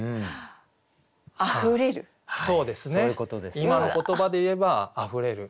今の言葉で言えば「あふれる」。